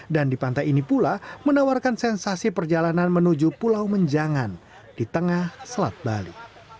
dan di pantai ini pula menawarkan sensasi perjalanan menuju pulau menjangan di tengah selat bali